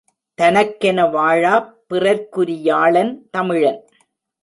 தனக்கென வாழாப் பிறர்க்குரியாளன் தமிழன்.